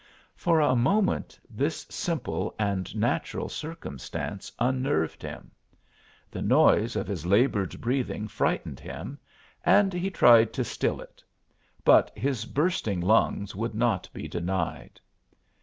For a moment this simple and natural circumstance unnerved him. The noise of his labored breathing frightened him, and he tried to still it, but his bursting lungs would not be denied.